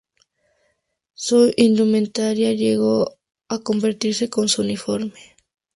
Su indumentaria llego a convertirse en su uniforme.